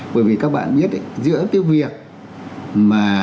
bởi vì các bạn biết giữa cái việc mà